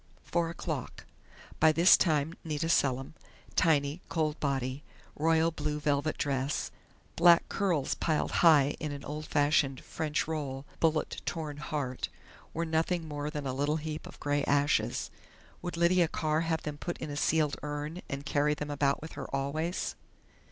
Four o'clock.... By this time Nita Selim tiny cold body, royal blue velvet dress, black curls piled high in an old fashioned "French roll," bullet torn heart were nothing more than a little heap of grey ashes.... Would Lydia Carr have them put in a sealed urn and carry them about with her always?